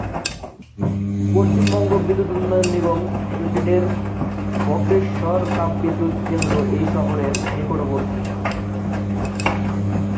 পশ্চিমবঙ্গ বিদ্যুৎ উন্নয়ন নিগম লিমিটেডের বক্রেশ্বর তাপবিদ্যুৎ কেন্দ্র এই শহরের নিকটবর্তী।